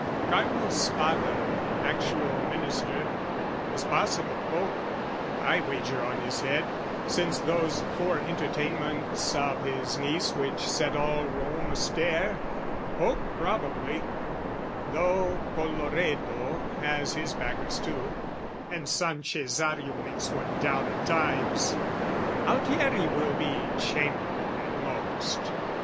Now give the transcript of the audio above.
"Cardinal Spada, actual Minister, "Is possible Pope; I wager on his head, "Since those four entertainments of his niece "Which set all Rome a stare: Pope probably "Though Colloredo has his backers too, "And San Cesario makes one doubt at times: "Altieri will be Chamberlain at most.